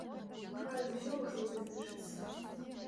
Хай усё ўжо вызначыцца.